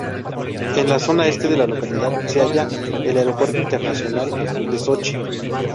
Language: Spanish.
En la zona este de la localidad se halla el Aeropuerto internacional de Sochi.